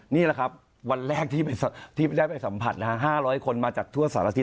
นี่แหละครับวันแรกที่ได้ไปสัมผัส๕๐๐คนมาจากทั่วสารอาทิตย